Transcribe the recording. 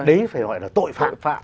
đấy phải gọi là tội phạm